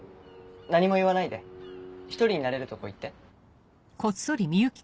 何も言わないで１人になれるとこ行って。